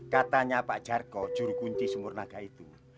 katanya pak jarko jurukunci sumurnaga itu